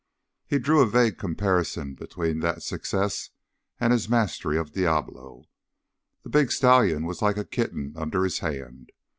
He drew a vague comparison between that success and his mastery of Diablo. The big stallion was like a kitten under his hand.